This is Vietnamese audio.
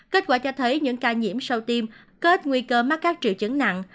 kết quả cho thấy những ca nhiễm sau tiêm có ít nguy cơ mắc các triệu chứng nặng